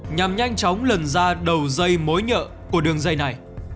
nhằm nhanh chóng lần ra đầu dây mối nhợ của đường dây này